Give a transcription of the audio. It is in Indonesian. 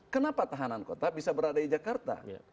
kenapa tahanan kota bisa berada di jakarta